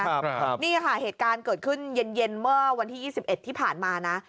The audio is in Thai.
ครับนี่ค่ะเหตุการณ์เกิดขึ้นเย็นเย็นเมื่อวันที่๒๑ที่ผ่านมานะ